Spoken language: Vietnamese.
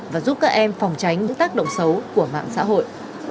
và giúp các em phòng tránh những tác động xấu của mạng xã hội